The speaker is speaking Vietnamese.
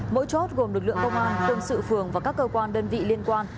mỗi chốt gồm lực lượng công an quân sự phường và các cơ quan đơn vị liên quan